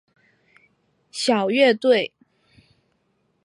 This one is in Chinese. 小乐队。